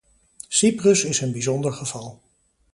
Cyprus is een bijzonder geval.